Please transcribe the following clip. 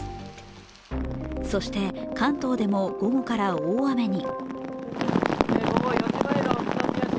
そして関東でも午後から大雨に。